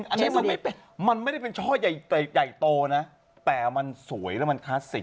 อันนี้มันไม่ได้เป็นช่อใหญ่โตนะแต่มันสวยแล้วมันคลาสสิก